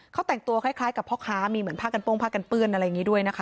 เขาแต่งตัวคล้ายกับพ่อค้ามีเหมือนผ้ากันโป้งผ้ากันเปื้อนอะไรอย่างนี้ด้วยนะคะ